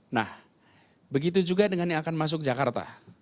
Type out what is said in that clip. nah begitu juga dengan yang akan masuk jakarta